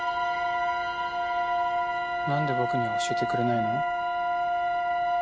なんで僕には教えてくれないの？